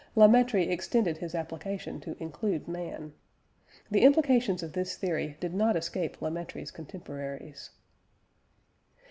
La Mettrie extended his application to include man. The implications of this theory did not escape La Mettrie's contemporaries.